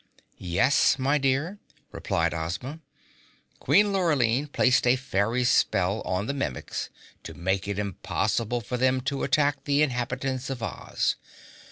"Yes, my dear," replied Ozma. "Queen Lurline placed a fairy spell on the Mimics to make it impossible for them to attack the inhabitants of Oz.